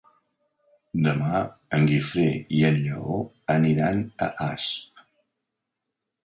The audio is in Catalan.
Demà en Guifré i en Lleó iran a Asp.